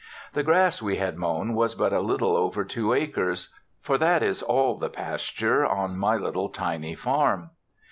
The grass we had mown was but a little over two acres; for that is all the pasture on my little tiny farm.